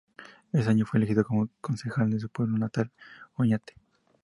Ese año fue elegido concejal en su pueblo natal, Oñate.